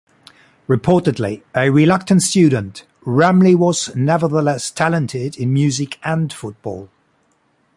Reportedly a reluctant student, Ramlee was nevertheless talented in music and football.